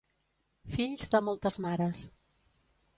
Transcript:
Fills de moltes mares.